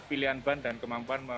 pilihan ban dan kemampuan